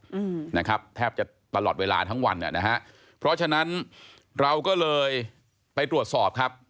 อืมนะครับแทบจะตลอดเวลาทั้งวันอ่ะนะฮะเพราะฉะนั้นเราก็เลยไปตรวจสอบครับ